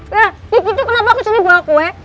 nah dikiki kenapa kesini bawa kue